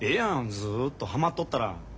ずっとハマっとったら。